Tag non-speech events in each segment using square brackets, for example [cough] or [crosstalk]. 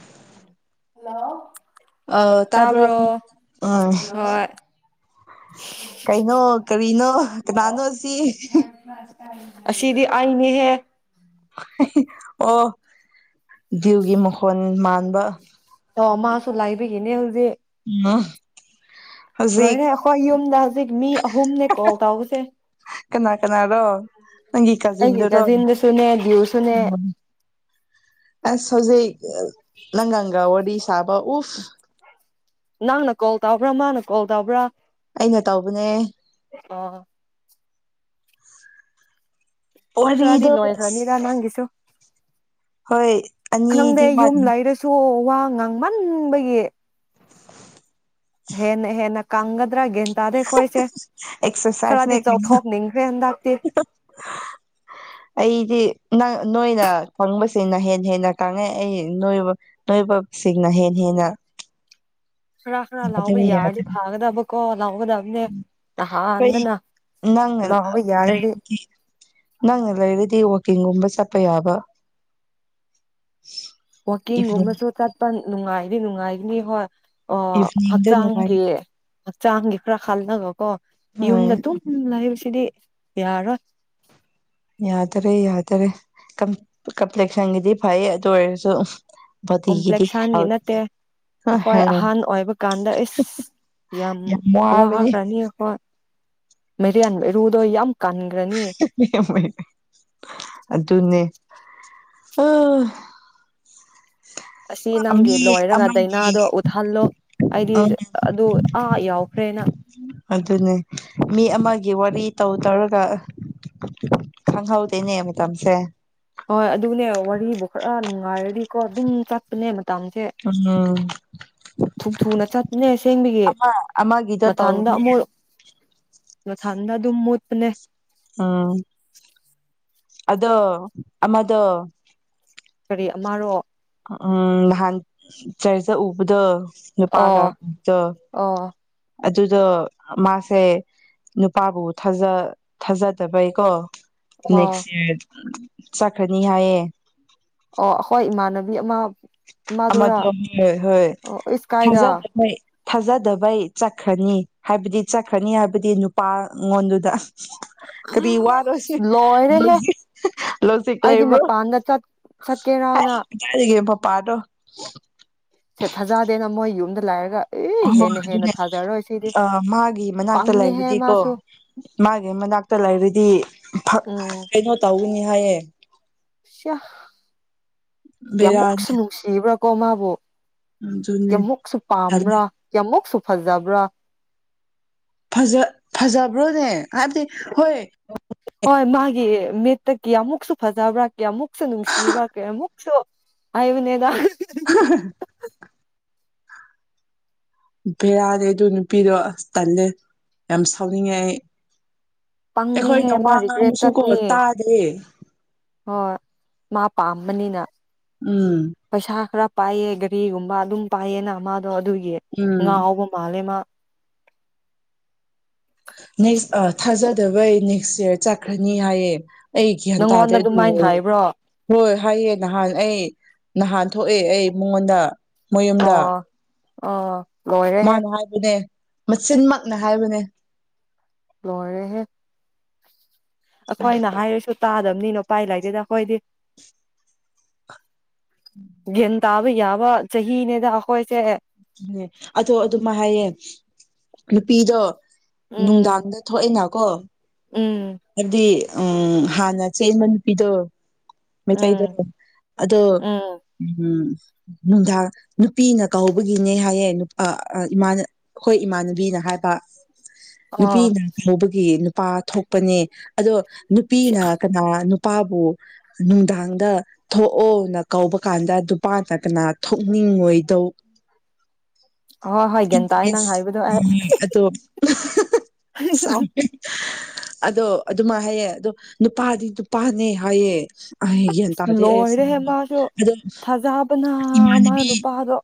[unintelligible] ꯑ ꯇꯥꯕ꯭ꯔꯣ ꯎ ꯍꯣꯏ ꯀꯩꯅꯣ ꯀꯔꯤꯅꯣ ꯀꯅꯥꯅꯣ ꯁꯤ ꯑꯁꯤꯗꯤ ꯑꯩꯅꯦꯍꯦ ꯑꯣ [unintelligible] ꯝꯈꯣꯟ ꯃꯟ ꯕ ꯇꯧ ꯃꯥꯁꯨ ꯂꯥꯏꯕꯒꯤꯅꯦ ꯍꯧꯖꯤꯛ ꯎꯝ ꯍꯧꯖꯤꯛ ꯂꯣꯏꯔꯦ ꯑꯩꯈꯣꯏ ꯌꯨꯝꯗ ꯍꯧꯖꯤꯛ ꯃꯤ ꯑꯍꯨꯝꯅꯦ ꯀꯣꯜ ꯇꯧꯕꯁꯦ ꯀꯅꯥ ꯀꯅꯥꯔꯣ ꯅꯪꯒꯤ ꯑꯩꯒꯤ ꯀꯥꯖꯤꯟꯗꯨꯔꯣ ꯀꯥꯖꯤꯟꯗꯁꯨꯅꯦ ꯗ꯭ꯌꯨꯁꯨꯅꯦ ꯎꯝ ꯑꯁ ꯍꯧꯖꯤꯛ ꯅꯪꯒ ꯋꯥꯗꯤ ꯁꯥꯕ ꯎꯐ ꯅꯪꯅ ꯀꯣꯜ ꯇꯥꯎꯕ꯭ꯔꯥ ꯃꯥꯅ ꯀꯣꯜ ꯇꯥꯎꯕ꯭ꯔꯥ ꯑꯩꯅ ꯇꯧꯕꯅꯦ ꯑꯣ ꯈꯔꯗꯤ ꯋꯥꯔꯤꯗꯣ ꯂꯣꯏꯈꯔꯅꯤꯗ ꯑꯁ ꯅꯥꯡꯒꯤꯁꯨ ꯍꯣꯏ ꯈꯪꯗꯦ ꯑꯅꯤꯗꯤ ꯌꯨꯝ ꯋꯥꯠꯂꯤ ꯂꯩꯔꯁꯨ ꯋꯥ ꯉꯥꯡꯃꯟꯕꯒꯤ ꯍꯦꯅꯦ ꯍꯦꯅ ꯀꯪꯗ꯭ꯔꯒꯦꯟ ꯇꯥꯗꯦ ꯑꯩꯈꯣꯏꯁꯦ ꯑꯦꯛꯁꯔꯁꯥꯏꯁꯅꯦ ꯈꯔꯗꯤ ꯀꯩꯅꯣ ꯆꯥꯎꯊꯣꯛꯅꯤꯡꯈ꯭ꯔꯦ ꯍꯟꯗꯛꯇꯤ ꯑꯩꯗꯤ ꯅꯪ ꯅꯣꯏꯅ ꯐꯪꯕꯁꯤꯡꯅ ꯍꯦ ꯍꯦꯟꯅ ꯀꯥꯡꯉꯩ ꯑꯩ ꯅꯣꯏ ꯅꯣꯏꯕꯁꯤꯡꯅ ꯍꯦ ꯍꯦꯟꯅ ꯈꯔꯥ ꯈꯔ ꯌꯥꯗꯔꯦ ꯂꯥꯑꯣꯩ ꯌꯥꯔꯗꯤ ꯌꯥꯗꯔꯦ ꯐꯥꯒꯗꯕ ꯀꯟ ꯂꯥꯎꯒꯗꯕꯅꯦ ꯑꯩꯈꯣꯏ ꯅꯍꯥꯟꯗꯅ ꯅꯪꯅ ꯂꯥꯎꯕ ꯌꯥꯔꯗꯤ ꯂꯩꯔꯗꯤ ꯅꯪꯅ ꯂꯩꯔꯗꯤ ꯋꯀꯤꯡꯒꯨꯝꯕ ꯆꯠꯄ ꯌꯥꯕ ꯋꯥꯀꯤꯡ ꯏꯚꯤꯅꯤꯡ ꯎꯃꯁꯨ ꯇꯠꯄꯅꯤ ꯅꯨꯡꯉꯥꯏꯅꯤ ꯅꯨꯡꯉꯥꯏꯒꯅꯤ ꯍꯣꯏ ꯑꯣ ꯏꯚꯤꯅꯤꯡꯗ ꯍꯛꯆꯥꯡꯒꯤ ꯅꯨꯡꯉꯥꯏꯅꯤ ꯍꯛꯆꯥꯡꯒꯤ ꯈꯔ ꯈꯜꯅꯒ ꯀꯣ ꯏꯇꯣꯝꯇ ꯍꯣꯏ ꯘꯥ ꯑꯆꯨꯝꯕ ꯂꯦꯏ ꯁꯤꯗꯤ ꯌꯥꯔ ꯌꯥ ꯇꯔꯦ ꯌꯥ ꯇꯔꯦ ꯀꯝ ꯀꯄ꯭ꯂꯦꯛꯁꯪꯒꯤꯗꯤ ꯐꯌꯦ ꯑꯗꯨ ꯑꯣꯏꯔꯁꯨ ꯕꯣꯗꯤꯒꯤꯗꯤ ꯀꯣꯝꯄ꯭ꯂꯦꯛꯁꯥꯟꯒꯤ ꯅꯠꯇꯦ ꯑꯩꯈꯣꯏ ꯑꯍꯥꯟ ꯑꯣꯏꯕ ꯀꯥꯟꯗ ꯑꯩꯁ ꯌꯥꯝ ꯋꯥꯈ꯭ꯔꯅꯤ ꯑꯩꯈꯣꯏ ꯃꯦꯔꯤ ꯌꯥꯝꯅ ꯔꯨꯗꯣ ꯌꯥꯝ ꯀꯟ [unintelligible] ꯑꯗꯨꯅꯦ ꯑ [unintelligible] ꯑꯁꯤ ꯅꯪꯒꯤ ꯃꯤ ꯂꯣꯏꯔꯒ ꯑꯃꯒꯤ ꯗꯥꯏꯅꯥꯗꯣ ꯎꯠꯍꯜꯂꯣ ꯑꯩꯗꯤ ꯎꯝ ꯑꯗꯨ ꯑꯥ ꯌꯥꯎꯈ꯭ꯔꯦꯅ ꯑꯗꯨꯅꯦ ꯃꯤ ꯑꯃꯒꯤ ꯋꯥꯔꯤ ꯇꯧ ꯇꯧꯔꯒ ꯈꯪꯍꯧꯗꯣꯏꯅꯦ ꯃꯇꯝꯁꯦ ꯍꯣꯏ ꯑꯗꯨꯅꯦ ꯋꯥꯨ ꯈꯔ ꯅꯨꯡꯉꯥꯏꯔꯔꯤꯀꯣ ꯑꯗꯨꯝ ꯆꯠꯄꯅꯦ ꯃꯇꯝꯁꯦ ꯎꯝ ꯊꯨ ꯊꯨꯅ ꯆꯠꯅꯦꯁꯦꯡꯕꯒꯤ ꯑꯃ ꯑꯃꯒꯤꯗꯣ ꯃꯊꯟꯗ ꯇꯧꯕꯅꯦ ꯑꯃꯨꯛ ꯊꯥꯟꯗ ꯑꯗꯨ ꯃꯣꯄꯅꯦ ꯎꯝ ꯑꯗꯣ ꯑꯃꯗ ꯀꯔꯤ ꯑꯃꯔꯣ ꯎꯝ ꯅꯍꯥꯟ ꯆꯔꯖ ꯎꯕꯗꯣ ꯑꯣ ꯄꯥꯒꯠꯇ ꯑꯣ ꯑꯗꯨꯗꯣ ꯃꯥꯁꯦ ꯅꯨꯄꯥꯕꯨꯖ ꯊꯥꯖꯗꯕꯩꯀꯣ ꯑꯣ ꯅꯦꯛꯌꯦꯑꯥꯔ ꯆꯠꯈ꯭ꯔꯅꯤ ꯍꯥꯏꯌꯦ ꯑꯣ ꯍꯣꯏ ꯏꯃꯥꯟ ꯑ ꯃꯥ [unintelligible] ꯗꯨ ꯍꯣꯏ ꯍꯣꯏ ꯑꯣ ꯏꯁ ꯀꯥꯏꯗ ꯊꯖ ꯇ ꯊꯥꯖꯗꯕꯩ ꯆꯠꯈ꯭ꯔꯅꯤ ꯍꯥꯏꯕꯗꯤ ꯆꯠꯈ꯭ꯔꯅꯤ ꯍꯥꯏꯕꯗꯤ ꯅꯨꯄꯥ ꯑꯩꯉꯣꯟꯗꯨꯗ ꯀꯔꯤ ꯋꯥꯔꯣꯁꯤ ꯂꯣꯏꯔꯦꯍꯦ ꯂꯣꯖꯤꯛ ꯑꯩꯗꯤ ꯂꯩꯕ꯭ꯔꯣ ꯃꯄꯥꯟꯗ ꯆꯠ ꯆꯠꯀꯦꯔꯥꯅ ꯍꯥꯏꯔꯤꯒꯦ ꯄꯥꯗꯣ ꯁꯦ ꯊꯥꯖꯗꯦꯅ ꯃꯣꯏ ꯌꯨꯝꯗ ꯂꯥꯏꯔꯒ ꯍꯣꯏ ꯍꯣꯏ ꯑꯗꯨꯅꯦ ꯑꯥ ꯃꯥꯒꯤ ꯃꯅꯥꯛꯇ ꯄꯪꯉꯦꯍꯦ ꯂꯩꯔꯗꯤꯀꯣ ꯃꯥꯁꯨ ꯃꯥꯒꯤ ꯃꯅꯥꯛꯇ ꯂꯩꯔꯗꯤ ꯎꯝ ꯀꯩꯅꯣ ꯇꯧꯒꯅꯤ ꯍꯥꯏꯌꯦ꯫ ꯁꯤꯌꯥ ꯀꯌꯥꯃꯨꯛꯁꯨ ꯕꯦꯔꯥꯅꯤ ꯅꯨꯡꯁꯤꯕ꯭ꯔꯥ ꯀꯣ ꯃꯥꯕꯨ ꯑꯗꯨꯅꯤ ꯀ꯭ꯌꯥꯃꯨꯛꯁꯨ ꯇꯜꯂꯦ ꯄꯥꯝꯕ꯭ꯔꯥ ꯀ꯭ꯌꯥꯃꯨꯛꯁꯨ ꯐꯖꯕ꯭ꯔꯥ꯫ ꯐꯖ ꯐꯖꯕ꯭ꯔꯣꯅꯦ ꯍꯥꯏꯕꯗꯤ ꯍꯣꯏ ꯍꯣꯏ ꯃꯥꯒꯤ ꯃꯤꯠꯇ ꯀꯌꯥꯃꯨꯛꯁꯨ ꯐꯖꯕ꯭ꯔꯥ ꯀꯌꯥꯃꯨꯛꯁꯨ ꯅꯨꯡꯁꯤꯕ꯭ꯔꯥ ꯀꯌꯥꯑꯃꯨꯛꯁꯨ ꯍꯥꯏꯕꯅꯦꯗ ꯕꯦꯔꯥꯅꯦ ꯑꯗꯨ ꯅꯨꯄꯤꯗꯣ ꯑꯁ ꯇꯜꯂꯦ ꯌꯥꯝ ꯁꯥꯎꯅꯤꯡꯉꯦ ꯑꯩ꯫ ꯄꯪꯉꯦꯍꯦ ꯑꯩꯈꯣꯏꯅ ꯃꯥ ꯋꯥ ꯔꯤꯒ꯭ꯔꯦꯠ ꯉꯥꯡꯕꯁꯨꯀꯣ ꯆꯠꯅꯤ ꯇꯥꯗꯦ ꯍꯣꯏ ꯃꯥ ꯄꯥꯝꯕꯅꯤꯅ꯫ ꯎꯝ ꯄꯩꯁꯥ ꯈꯔ꯫ ꯄꯥꯏꯑꯦ ꯒꯥꯔꯤꯒꯨꯝꯕ ꯑꯗꯨꯝ ꯄꯥꯏꯑꯦꯅ ꯃꯥ ꯑꯗꯣ ꯑꯗꯨꯒꯤ ꯎꯝ ꯉꯥꯎꯕ ꯃꯥꯜꯂꯦ ꯃꯥ꯫ ꯅꯦꯛꯁ ꯊꯥꯖꯗꯕꯩ ꯅꯦꯛꯁ ꯌ꯭ꯔ ꯆꯠꯈ꯭ꯔꯅꯤ ꯍꯥꯏꯌꯦ ꯑꯩ ꯒ꯭ꯌꯥꯟ ꯇꯥꯗꯦ ꯅꯪꯉꯣꯟꯗ ꯑꯗꯨ ꯑꯗꯨꯃꯥꯏꯅ ꯍꯥꯏꯕ꯭ꯔꯣ ꯑꯣ ꯍꯣꯏ ꯍꯥꯏꯌꯦ ꯅꯍꯥꯟ ꯑꯩ ꯅꯍꯥꯟ ꯊꯣꯛꯑꯦ ꯑꯩ ꯃꯉꯣꯟꯗ ꯃꯌꯨꯝꯗ ꯑꯣ ꯂꯣꯏꯔꯦꯍꯦ ꯃꯥꯅ ꯍꯥꯏꯕꯅꯦ ꯃꯆꯤꯟꯃꯛꯅ ꯍꯥꯏꯕꯅꯦ ꯂꯣꯏꯔꯦꯍꯦ ꯑꯈꯣꯏꯅ ꯍꯥꯏꯔꯁꯨ ꯇꯥꯗ [unintelligible] ꯄꯥꯏ ꯂꯩꯗꯦꯗ ꯑꯈꯣꯏꯗꯤ [unintelligible] ꯇꯥꯕ ꯌꯥꯕ ꯆꯍꯤꯅꯦꯗ ꯑꯈꯣꯏꯁꯦ ꯑꯗꯨꯅꯦ ꯑꯗꯣ ꯑꯗꯨꯃꯥꯏ ꯍꯥꯏꯌꯦ ꯅꯨꯄꯤꯗꯣ ꯎꯝ ꯅꯨꯡꯗꯥꯡꯗ ꯊꯣꯛꯑꯦꯅꯀꯣ ꯎꯝ ꯍꯥꯏꯕꯗꯤ ꯎꯝ ꯍꯥꯟꯅ ꯆꯦꯟꯕ ꯅꯨꯄꯤꯗꯣ ꯃꯩꯇꯩꯗꯣ ꯎꯝ ꯑꯗꯣ ꯎꯝ ꯎꯝ ꯅꯨꯡꯗꯥꯡ ꯅꯨꯄꯤꯅ ꯀꯧ ꯒꯤꯅꯦ ꯍꯥꯏꯌꯦ ꯅꯨꯄꯥ ꯏꯃꯥꯟꯅ ꯈꯣꯏ ꯏꯃꯥꯟꯅꯕꯤꯅ ꯍꯥꯏꯕ ꯑꯣ ꯅꯨꯄꯤꯅ ꯍꯧꯕꯒꯤ꯫ ꯄꯥꯊꯣꯛꯄꯅꯦ ꯑꯗꯣ ꯅꯨꯄꯤꯅ ꯀꯅꯥ ꯅꯨꯄꯥꯕꯨ ꯅꯨꯡꯗꯥꯡꯗ ꯊꯣꯛꯑꯣꯅ ꯀꯧꯕ ꯀꯥꯟꯗ ꯅꯨꯄꯥ ꯅꯠꯇꯅ ꯊꯣꯛꯅꯤꯡꯉꯣꯏꯗꯧ ꯍ ꯍꯣꯏ ꯒꯟꯇꯥꯥꯏ ꯅꯪ ꯍꯥꯏꯕꯗꯣ ꯑꯩ ꯍ ꯁꯥꯎ ꯑꯗꯣ ꯑꯗꯨꯃꯥꯏ ꯍꯥꯏꯌꯦ ꯑꯗꯣ ꯅꯨꯄꯥꯗꯤ ꯅꯨꯄꯥꯅꯦ ꯍꯥꯏꯌꯦ ꯑꯩ ꯒ꯭ꯌꯥꯟ ꯑꯁ ꯇꯥꯗꯦ ꯑꯩ ꯂꯣꯏꯔꯦ ꯑꯁꯦꯡꯕ ꯃꯥꯁꯨ ꯑꯗꯣ ꯊꯥꯖꯕꯅ ꯃꯥ ꯏꯃꯥꯟꯅꯕꯤ ꯅꯨꯄꯥꯗꯣ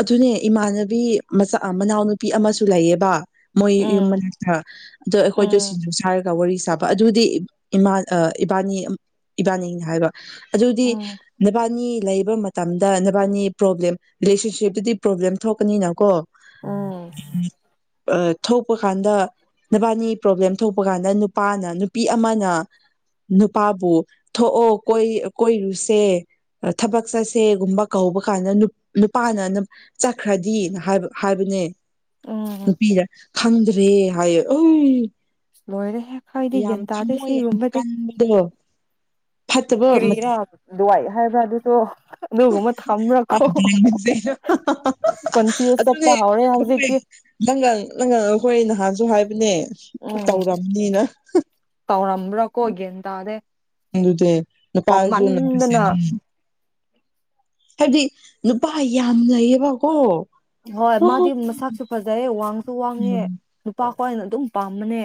ꯑꯗꯨꯅꯦ ꯏꯃꯥꯟꯅꯕꯤ ꯃꯆꯥ ꯃꯅꯥꯎꯅꯨꯄꯤ ꯑꯃꯁꯨ ꯂꯩꯌꯦꯕ ꯃꯣꯏ ꯌꯨꯝ ꯎꯝ ꯃꯅꯥꯛꯇ ꯑꯗꯣ ꯑꯩꯈꯣꯏꯗꯣ ꯎꯝ ꯁꯤꯡꯖꯨ ꯁꯥꯔꯒ ꯋꯥꯔꯤ ꯁꯥꯕ ꯑꯗꯨꯗꯤꯥ ꯏꯕꯥꯅꯤ ꯏꯕꯥꯅꯤꯅꯤ ꯍꯥꯏꯕ ꯑꯗꯨꯗꯤ ꯎꯝ ꯅꯦꯕꯥꯅꯤ ꯂꯩꯕ ꯃꯇꯝꯗ ꯅꯕꯥꯅꯤ ꯄ꯭ꯔꯣꯕ꯭ꯂꯦꯝ ꯔꯤꯂꯦꯁꯟꯁꯤꯞ ꯑꯗꯨꯗꯤ ꯄ꯭ꯔꯣꯕ꯭ꯂꯦꯝ ꯊꯣꯛꯀꯅꯤꯅ ꯀꯣ ꯎꯝ ꯎꯝ ꯊꯣꯛꯄ ꯀꯥꯟꯗ ꯅꯕꯥꯅꯤ ꯄ꯭ꯔꯣꯕ꯭ꯂꯦꯝ ꯊꯣꯛꯄ ꯀꯥꯟꯗ ꯅꯨꯄꯥꯅ ꯅꯨꯄꯤ ꯑꯃꯅ ꯅꯨꯄꯥꯕꯨ ꯊꯣꯛꯑꯣꯣꯏ ꯀꯣꯏꯔꯨꯁꯦ ꯊꯕꯛ ꯆꯠꯁꯦꯒꯨꯝꯕ ꯀꯍꯧꯕ ꯀꯥꯟꯗ ꯅꯨꯄꯥꯅ ꯆꯠꯈ꯭ꯔꯗꯤꯅ ꯍꯥꯏꯕ ꯍꯥꯏꯕꯅꯦ ꯎꯝ ꯅꯨꯄꯤꯤꯔ ꯈꯪꯗ꯭ꯔꯦ ꯍꯥꯏꯌꯣ ꯑ ꯂꯣꯏꯔꯦꯦꯛ ꯍꯥꯏꯗꯤ ꯒ꯭ꯌꯥꯟ ꯇꯥꯗꯦ ꯌꯥꯝ ꯁꯤꯒꯨꯝꯕꯗꯤ ꯀꯟꯕꯗꯣ ꯐꯠꯇꯕ ꯀꯔꯤꯔꯥ ꯗꯨꯋꯥꯏ ꯍꯥꯏꯕ꯭ꯔꯥ ꯑꯗꯨꯁꯨ ꯑꯗꯨꯒꯨꯝꯕ ꯊꯝꯕ꯭ꯔꯥꯀꯣ ꯄꯁꯩ ꯀꯣꯟꯐ꯭ꯌꯨꯁ ꯑꯗꯨꯗꯤ ꯆꯠꯄ ꯍꯧꯔꯦ ꯑꯩꯈꯣꯏ ꯍꯧꯖꯤꯛꯇꯤ ꯂꯪꯒꯜ ꯂꯪꯒꯜ ꯑꯩꯈꯣꯏ ꯅꯍꯥꯛ ꯁꯨ ꯍꯥꯏꯕꯅꯦ ꯎꯝ ꯇꯧꯔꯝꯅꯤꯅ ꯅ꯭ꯔꯀ ꯍꯒꯦꯟ ꯑꯗꯦ ꯗ ꯀꯥꯁꯨꯁꯦ ꯍꯥꯏꯕꯗꯤ ꯅꯨꯄꯥ ꯌꯥꯝꯅꯩꯌꯦꯕꯀꯣ ꯍꯣꯏ ꯃꯥꯗꯤ ꯃꯁꯥꯛꯁꯨ ꯐꯖꯩꯌꯦ ꯋꯥꯡꯁꯨ ꯋꯥꯡꯉꯦ ꯎꯝ ꯅꯨꯄꯥ ꯈꯣꯏꯅ ꯑꯗꯨꯝ ꯄꯥꯝꯕꯅꯦ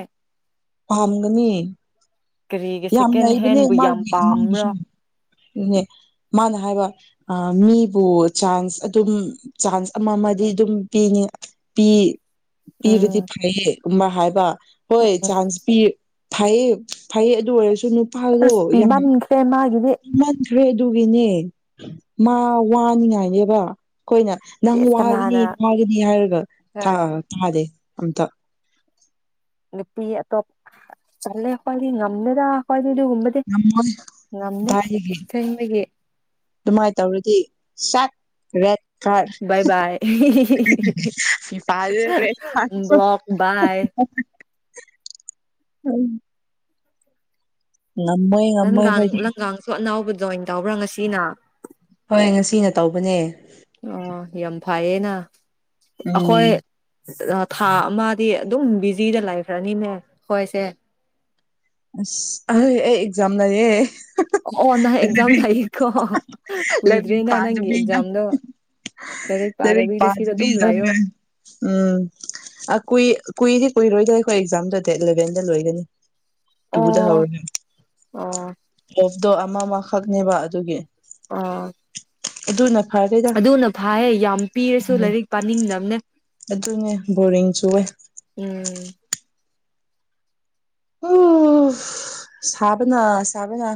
ꯄꯝꯒꯅꯤ ꯀꯔꯤꯒꯤ ꯁꯦꯀꯦꯟ ꯍꯦꯟꯕꯨ ꯌꯥꯝ ꯄꯥꯝꯕ꯭ꯔꯣ ꯃꯥꯒꯤꯁꯨ ꯑꯗꯨꯅꯦ ꯃꯥꯅ ꯍꯥꯏꯕ ꯃꯤꯕꯨ ꯆꯥꯟꯁ ꯑꯗꯨꯝ ꯆꯥꯟꯁ ꯑꯃ ꯑꯃꯗꯤ ꯑꯗꯨꯝ ꯄꯤꯅꯤ ꯄꯤ ꯎꯝ ꯄꯤꯔꯗꯤ ꯐꯩꯌꯦ ꯀꯨꯝꯕ ꯍꯥꯏꯕ ꯍꯣꯏ ꯆꯥꯟꯁ ꯄꯤ ꯐꯩꯌꯦ ꯐꯩꯌꯦ ꯑꯣꯏ ꯑꯁ ꯂꯤ ꯃꯟ ꯈ꯭ꯔꯦ ꯃꯥꯒꯤ ꯏ ꯃꯟ ꯇ꯭ꯔꯦꯗꯨꯒꯤꯅꯦ ꯃꯥ ꯋꯥꯅꯤꯉꯥꯏꯅꯦꯕ ꯑꯩꯈꯣꯏꯅ ꯅꯪ ꯏꯁ ꯋꯥꯒꯅꯤ ꯀꯅꯥꯅ ꯋꯥꯒꯅꯤ ꯍꯥꯏꯔꯒ ꯊ ꯇꯥꯗꯦ ꯑꯝꯇ ꯅꯨꯄꯤ ꯑꯇꯣꯞ ꯆꯂꯦ ꯑꯩꯈꯣꯏꯗꯤ ꯉꯝꯃꯦꯗ ꯑꯈꯣꯏ ꯑꯗꯨꯒꯨꯝꯕꯗꯤ ꯉꯝꯃꯣꯏ ꯉꯝꯗꯦ ꯗꯥꯏꯒꯤ ꯁꯦꯡꯕꯒꯤ ꯑꯗꯨꯃꯥꯏꯅ ꯇꯧꯔꯗꯤ ꯁꯦꯠ ꯔꯦꯠ ꯐꯥꯠ [inaudible] ꯕꯥꯏ ꯕꯥꯏ ꯕ꯭ꯂꯣꯛ ꯕꯥꯏ ꯎꯝ ꯉꯝꯃꯣꯏ ꯉꯝꯃꯣꯏ ꯂꯪꯒꯥꯡ ꯑꯩꯈꯣꯏꯗꯤ ꯂꯪꯒꯥꯡꯁꯨ ꯑꯅꯧꯕ ꯖꯣꯏꯟ ꯇꯧꯕ꯭ꯔꯥ ꯉꯁꯤꯅ ꯍꯣꯏ ꯉꯁꯤꯅ ꯇꯧꯕꯅꯦ ꯅ ꯎꯝ ꯑꯈꯣꯏ ꯔ ꯊꯥ ꯑꯃꯗꯤ ꯑꯗꯨꯝ ꯕꯤꯖꯤꯗ ꯂꯩꯈ꯭ꯔꯅꯤꯅꯦ ꯈꫭꯏꯁꯦ ꯑꯁ ꯑꯩ ꯑꯩ ꯑꯦꯛꯖꯥꯝ‌ ꯂꯩꯌꯦ ꯑꯣ ꯅꯪ ꯑꯦꯛꯖꯥꯝ ꯑꯗꯨꯗꯩ ꯂꯩꯀꯣ ꯂꯔꯤꯛ ꯀꯨꯏꯗ꯭ꯔꯦꯅ ꯅꯪꯒꯤ ꯄꯥꯗꯕꯤꯅ ꯑꯦꯛꯖꯥꯝꯗꯣ ꯂꯥꯏꯔꯤꯛ ꯂꯔꯤꯛ ꯁꯤꯗ ꯑꯗꯨꯝ ꯄꯥꯗꯕꯤꯗ ꯂꯩꯌꯣ ꯎꯝ ꯑ ꯀꯨꯏ ꯀꯨꯏꯗꯤ ꯀꯨꯏ ꯔꯣꯏ ꯑꯗ ꯑꯩꯈꯣꯏ ꯑꯦꯛꯖꯥꯝꯗꯨ ꯗꯦꯠ ꯏꯂꯚꯦꯟꯗ ꯂꯣꯏꯒꯅꯤ ꯇꯨꯗ ꯑꯣ ꯍꯧꯔꯅꯤ ꯑꯣ ꯗꫭ ꯑꯃꯃꯈꯛꯅꯦꯕ ꯑꯗꯨꯒꯤ ꯑꯣ ꯑꯗꯨꯅ ꯐꯔꯦꯗ ꯑꯗꯨꯅ ꯐꯥꯌꯦ ꯌꯥꯝ ꯄꯤꯔꯁꯨ ꯎꯝ ꯂꯥꯏꯔꯤꯛ ꯄꯥꯅꯤꯡꯗꯝꯅꯦ ꯑꯗꯨꯅꯦ ꯕꯣꯔꯤꯡ ꯆꯨꯌꯦ ꯎꯝ ꯎꯁ ꯁꯥꯕꯅ ꯁꯥꯕꯅ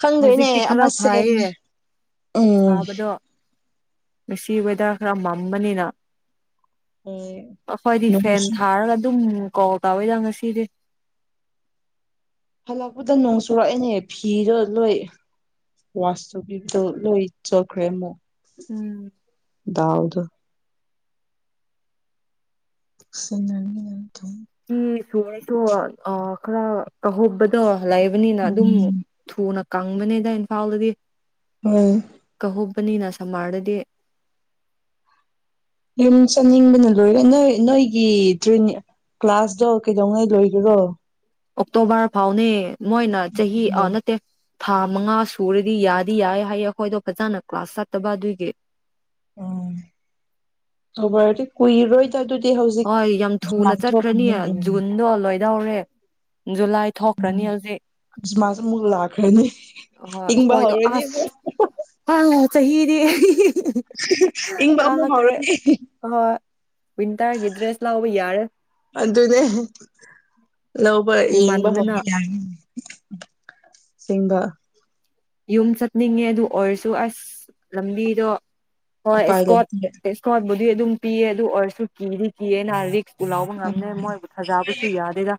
ꯈꯪꯗꯣꯏꯅꯦ ꯍꯧꯖꯤꯛꯇꯤ ꯈꯔ ꯑꯃꯁꯦ ꯐꯩꯌꯦ ꯎꯝ ꯁꯥꯕꯗꯣ ꯉꯁꯤ ꯋꯦꯗꯥꯔ ꯈꯔ ꯃꯝꯕꯅꯤꯅ ꯍꯣꯏ ꯑꯩꯈꯣꯏꯗꯤ ꯐꯦꯟ ꯅꯣꯡꯁꯨ ꯊꯥꯔꯒ ꯑꯗꯨꯝ ꯀꫭꯜ ꯀꯥꯎꯏꯗ ꯉꯁꯤꯗꯤ ꯍꯜꯂꯛꯄꯗ ꯅꯣꯡ ꯆꯨꯔꯛꯑꯦꯅꯦ ꯐꯤꯗꯣ ꯂꯣꯏ ꯋꯥꯁ ꯇꯨꯤꯕꯗꯣ ꯂꯣꯏ ꯆꯣꯛꯈ꯭ꯔꯦ ꯑꯃꯨꯛ ꯎꯝ ꯗꯥꯎꯗꯨ ꯁꯅꯔꯅꯤ ꯌꯥꯝ ꯊꯧ [unintelligible] ꯑ ꯈꯔ ꯀꯧꯍꯧꯕꯗꯣ ꯂꯩꯕꯅꯤꯅ ꯑꯗꯨꯝ ꯎꯝ ꯊꯨꯅ ꯀꯪꯕꯅꯦꯗ ꯏꯝꯐꯥꯜꯗꯗꯤ ꯍꯝ ꯄꯅꯤꯅ ꯁꯝꯃꯔꯗꯗꯤ ꯌꯨꯝ ꯆꯠꯅꯤꯡꯕꯅ ꯂꯣꯏꯔꯦ ꯅꯣꯏ ꯅꯣꯏꯒꯤ ꯇꯔꯤꯅꯤ ꯀ꯭ꯂꯥꯁꯇꯣ ꯀꯩꯗꯧꯉꯩ ꯂꯣꯏꯒꯦꯔꯣ ꯑꯣꯛꯇꯣꯕꯔ ꯐꯥꯎꯅꯦ ꯃꯣꯏꯅ ꯆꯍꯤ ꯎꯝ ꯅꯠꯇꯦ ꯊꯥ ꯃꯉꯥ ꯁꯨꯔꯗꯤ ꯌꯥꯗꯤ ꯌꯥꯏ ꯍꯥꯏꯌꯦ ꯑꯩꯈꯣꯏꯗꯣ ꯐꯖꯅ ꯀ꯭ꯂꯥꯁ ꯆꯠꯇꯕ ꯑꯗꯨꯏꯒꯤ ꯎꯝ ꯊꯕꯥꯗꯤ ꯀꯨꯏꯔꯣꯏ ꯍꯣꯏ ꯌꯥꯝ ꯊꯨꯅ ꯆꯠꯈ꯭ꯔꯅꯤ ꯎꯝ ꯖꯨꯟꯗꯣ ꯂꯣꯏ ꯌꯧꯔꯦ ꯖꯨꯂꯥꯏ ꯊꯣꯛꯈ꯭ꯔꯅꯤ ꯍꯧꯖꯤꯛ ꯃꯂꯥꯈꯅꯤ ꯍ ꯍꯣꯏꯗꯣ ꯑꯁ ꯆꯍꯤꯍꯤꯗꯤ ꯏꯪꯕ ꯑꯃꯨ ꯉꯥꯎꯔꯣꯏꯅꯦ ꯍꯣꯏ ꯋꯤꯟꯇꯔꯒꯤ ꯗ꯭ꯔꯦꯁ ꯂꯧꯕ ꯌꯥꯔꯦ ꯑꯗꯨꯅꯦ ꯂꯧꯕ ꯌꯦꯡꯕ ꯊꯨꯃꯟꯗꯅ ꯍꯧꯕ ꯌꯥꯅꯤ ꯆꯤꯡꯕ ꯌꯨꯝ ꯆꯠꯅꯤꯡꯉꯦ ꯑꯗꯨ ꯑꯣꯏꯔꯁꯨ ꯑꯁ ꯂꯝꯕꯤꯗꯣ ꯑ ꯎꯄꯥꯏ ꯏꯁꯀꯣꯠ ꯂꯩꯇꯦ ꯏꯁꯀꯣꯠ ꯑꯗꯨ ꯑꯗꯨꯝ ꯄꯤꯑ ꯑꯗꯨ ꯑꯣꯏꯔꯁꯨ ꯀꯤꯗꯤ ꯀꯤꯌꯦꯅꯍ ꯔꯤꯛꯁ ꯄꯨ ꯂꯥꯎꯕ ꯉꯝꯅꯦ ꯃꯣꯏꯕꯨ ꯊꯥꯖꯕꯁꯨ ꯌꯥꯗꯦꯗ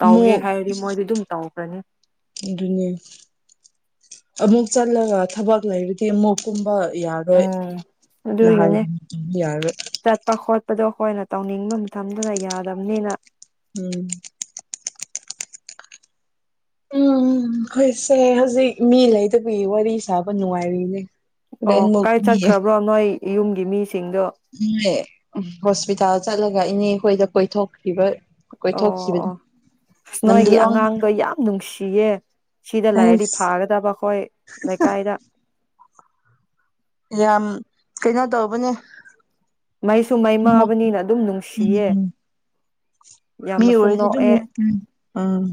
ꯇꯧꯒꯦ ꯑꯃꯨꯛ ꯍꯥꯏꯔꯗꯤ ꯃꯣꯏꯗꯤ ꯑꯗꯨꯝ ꯇꯧꯈ꯭ꯔꯅꯤ ꯑꯗꯨꯅꯦ ꯑꯃꯨꯛ ꯆꯠꯂꯒ ꯊꯕꯛ ꯂꯩꯔꯗꯤ ꯑꯃꯨꯛꯀꯨꯝꯕ ꯎꯝ ꯑꯗꯨꯒꯤꯅꯦ ꯇꯧꯕ ꯌꯥꯔꯣꯏ ꯆꯠꯄ ꯈꯣꯠꯄꯗꯣ ꯍꯣꯏ ꯅꯠꯇ ꯇꯧꯅꯤꯡꯕ ꯃꯇꯝꯗꯨꯗ ꯌꯥꯗꯕꯅꯤꯅ ꯎꯝ ꯎꯝ [unintelligible] ꯁꯦ ꯍꯧꯖꯤꯛ ꯃꯤ ꯂꯩꯗꯕꯤ ꯋꯥꯔꯤ ꯁꯥꯕ ꯅꯨꯡꯉꯥꯏꯔꯤꯅꯦ ꯑꯣ ꯍꯣꯔꯦꯟꯃꯨꯛ ꯀꯥꯏ ꯆꯠꯈ꯭ꯔꯕ꯭ꯔꯣ ꯅꯣꯏ ꯌꯨꯝꯒꯤ ꯃꯤꯁꯤ ꯎꯝꯃꯦ ꯍꯣꯁꯄꯤꯇꯥꯜ ꯆꯠꯂꯒ ꯏꯅꯦꯈꯣꯏꯗ ꯀꯣꯏꯊꯣꯛ ꯑꯣ ꯑꯣ ꯅꯣꯏꯒꯤ ꯅꯝꯗꯨꯂꯣꯡ ꯑꯉꯥꯡꯗꯣ ꯌꯥꯝ ꯅꯨꯡꯁꯤ ꯆꯦ ꯁꯤꯗ ꯂꯥꯏꯔꯗꯤ ꯑꯩꯁ ꯐꯥꯒꯗꯕ ꯑꯩꯈꯣꯏ ꯂꯩꯀꯥꯏꯗ ꯌꯥꯝ ꯀꯩꯅꯣ ꯇꯧꯕꯅꯦ ꯃꯩꯁꯨ ꯃꯩ ꯎꯝ ꯃꯥꯕꯅꯤꯅ ꯑꯗꯨꯝ ꯅꯨꯡꯁꯤꯌꯦ ꯃꯤ ꯌꯥꯝꯅꯁꯨ ꯑꯣꯏꯔꯗꯤ ꯑꯗꯨꯝ ꯅꯣꯛꯑꯦ ꯅꯣꯛꯄꯅꯦ ꯎꯝ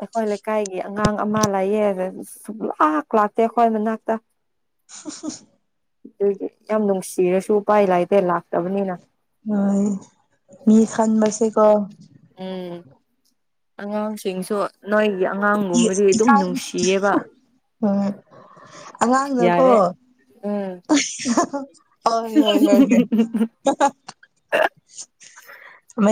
ꯑꯩꯈꯣꯏ ꯂꯩꯀꯥꯏꯒꯤ ꯑꯉꯥꯡ ꯑꯃ ꯂꯩꯌꯦ ꯑꯗ ꯁꯨꯛꯂꯥꯛ ꯂꯥꯛꯇꯦ ꯈꯣꯏ ꯃꯅꯥꯛꯇ [inaudible] ꯑꯗꯨꯏꯗꯤ ꯌꯥꯝ ꯅꯨꯡꯁꯤꯔꯁꯨ ꯎꯄꯥꯏ ꯂꯩꯇꯦ ꯂꯥꯛ ꯇꯥꯕꯅꯤꯅ ꯍꯣꯏ ꯃꯤ ꯁꯟꯕꯁꯦ ꯀꯣ ꯎꯝ ꯑꯉꯥꯡ ꯁꯤꯡꯁꯨ ꯅꯣꯏ ꯏꯈꯥꯒꯤ ꯎꯝ ꯑꯉꯥꯡꯅꯀꯣ ꯌꯥꯔꯦ ꯎꯝ ꯑꯎ ꯍꯣꯏ ꯍꯣꯏ ꯍꯣꯏ